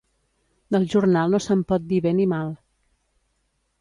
Del jornal no se'n pot dir bé ni mal.